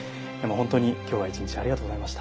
本当に今日は一日ありがとうございました。